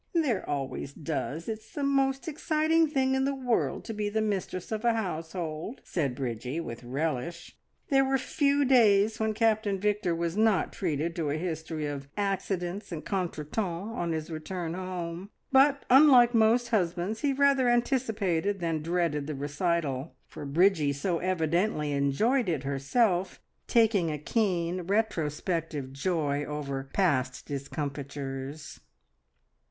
"There always does. It's the most exciting thing in the world to be the mistress of a household," said Bridgie, with relish. There were few days when Captain Victor was not treated to a history of accidents and contretemps on his return home, but unlike most husbands he rather anticipated than dreaded the recital, for Bridgie so evidently enjoyed it herself, taking a keen retrospective joy over past discomfitures.